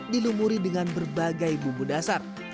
dilumuri dengan berbagai bumbu dasar